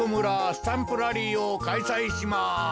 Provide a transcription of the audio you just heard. スタンプラリーをかいさいします！